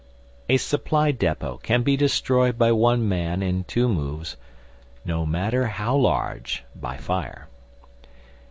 A supply depot can be destroyed by one man in two moves, no matter how large (by fire).